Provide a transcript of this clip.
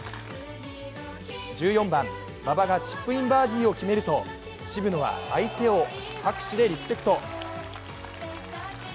１４番、馬場がチップインバーディーを決めると渋野は相手を拍手でリスペクト。